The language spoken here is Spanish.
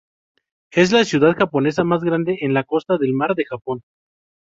Es la ciudad japonesa más grande en la costa del mar de Japón.